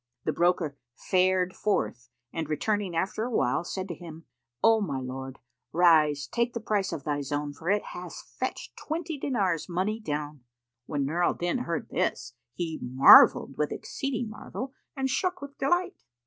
The broker fared forth and returning after a while said to him, "O my lord, rise take the price of thy zone, for it hath fetched twenty dinars money down." When Nur al Din heard this, he marvelled with exceeding marvel and shook with delight.